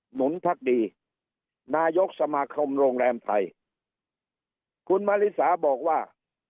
หนุนพักดีนายกสมาคมโรงแรมไทยคุณมาริสาบอกว่า